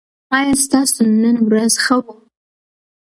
ایا ستاسو نن ورځ ښه وه؟